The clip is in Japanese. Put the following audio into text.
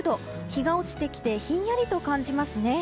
日が落ちてきてひんやりと感じますね。